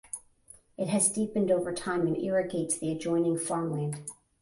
It has deepened over time and irrigates the adjoining farmland.